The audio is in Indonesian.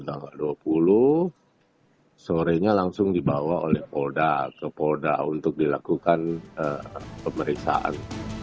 tanggal dua puluh sore nya langsung dibawa oleh polda ke polda untuk dilakukan pemeriksaan